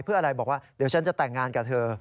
เพื่ออะไรบอกว่าเดี๋ยวฉันจะแต่งงานกับเธอ